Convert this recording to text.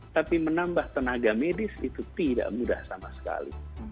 tapi menambah tenaga medis itu tidak mudah sama sekali